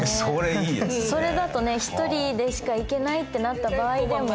それだとね一人でしか行けないってなった場合でも。